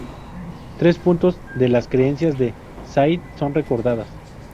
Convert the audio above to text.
Tres puntos en las creencias de Zayd son recordadas.